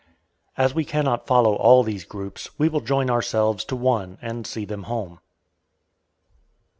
As we cannot follow all these groups, we will join ourselves to one and see them home.